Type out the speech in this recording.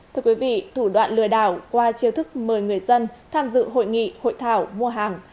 thưa quý vị thủ đoạn lừa đảo qua chiêu thức mời người dân tham dự hội nghị hội thảo mua hàng